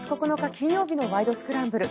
金曜日の「ワイド！スクランブル」。